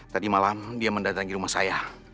tadi malam dia mendatangi rumah saya